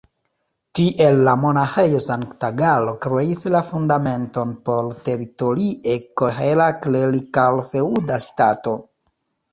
Tiel la Monaĥejo Sankt-Galo kreis la fundamenton por teritorie kohera klerikal-feŭda ŝtato.